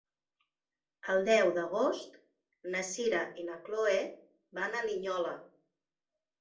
El deu d'agost na Sira i na Chloé van a Linyola.